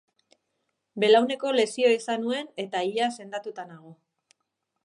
Belauneko lesioa izan nuen eta ia sendatuta nago.